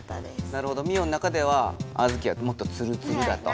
なるほどミオの中では小豆はもっとツルツルだと。